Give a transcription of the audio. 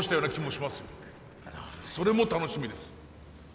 それも楽しみです。